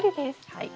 はい。